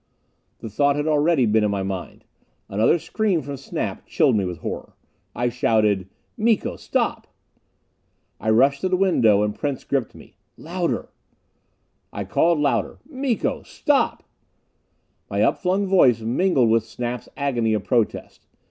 The thought had already been in my mind. Another scream from Snap chilled me with horror. I shouted, "Miko! Stop!" I rushed to the window and Prince gripped me. "Louder!" I called louder. "Miko! Stop!" My upflung voice mingled with Snap's agony of protest.